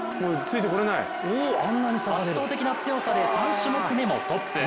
圧倒的な強さで３種目めもトップ。